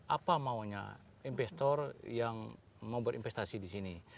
apa maunya investor yang mau berinvestasi di sini